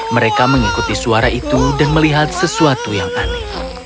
mereka mengikuti suara itu dan melihat sesuatu yang aneh